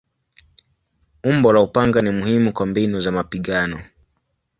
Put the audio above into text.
Umbo la upanga ni muhimu kwa mbinu za mapigano.